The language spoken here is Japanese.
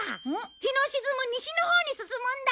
日の沈む西のほうに進むんだ！